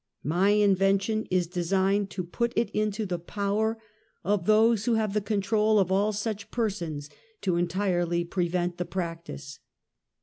"My invention is designed to put it into the power SOCIAL EVIL. 119 of those who have the control of all such persons to entirely prevent the practice."